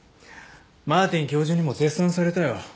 マーティン教授にも絶賛されたよ。